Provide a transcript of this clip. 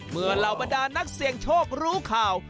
เหล่าบรรดานักเสี่ยงโชครู้ข่าว